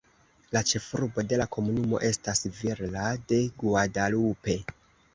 La ĉefurbo de la komunumo estas Villa de Guadalupe.